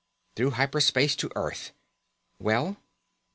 "Through hyper space to Earth. Well?"